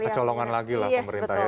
kecolongan lagi lah pemerintah ya